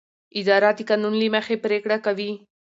اداره د قانون له مخې پریکړه کوي.